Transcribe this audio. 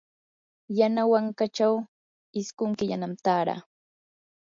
yanawankachaw isqun killanam taaraa.